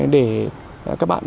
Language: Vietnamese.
để các bạn